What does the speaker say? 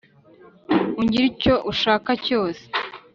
ungire icyo ushaka cyose